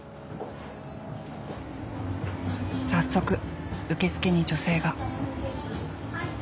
早速受付に女性が。